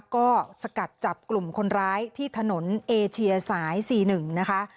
ก็สกัดจับกลุ่มคนร้ายที่ถนนเอเชียสาย๔๑นะคะ